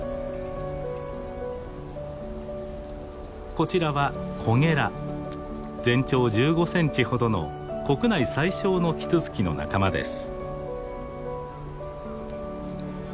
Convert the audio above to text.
こちらは全長１５センチほどの国内最小のキツツキの仲間です。